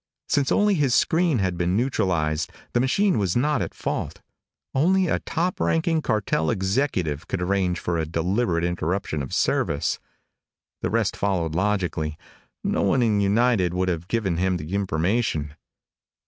Since only his screen had been neutralized, the machine was not at fault. Only a top ranking cartel executive could arrange for a deliberate interruption of service. The rest followed logically. No one in United would have given him the information.